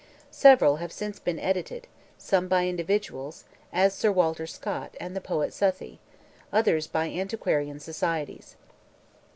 Several have since been edited, some by individuals, as Sir Walter Scott and the poet Southey, others by antiquarian societies.